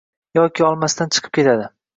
yoki olmasdan chiqib ketadi.